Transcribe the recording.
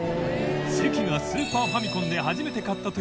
禊悗スーパーファミコンで初めて買ったという